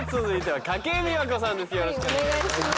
よろしくお願いします。